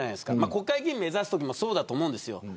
国会議員、目指すときもそうだと思うんですよ。